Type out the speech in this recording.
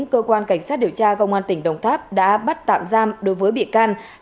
cơ quan cảnh sát điều tra công an tỉnh đồng tháp đã bắt tạm giam đối với bị can